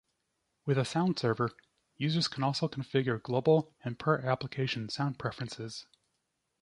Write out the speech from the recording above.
With a sound server, users can also configure global and per-application sound preferences.